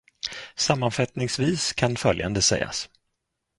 Sammanfattningsvis kan följande sägas.